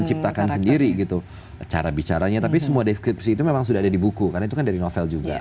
menciptakan sendiri gitu cara bicaranya tapi semua deskripsi itu memang sudah ada di buku karena itu kan dari novel juga